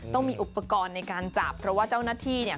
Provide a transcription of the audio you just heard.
ต้องมีอุปกรณ์ในการจับเพราะว่าเจ้าหน้าที่เนี่ย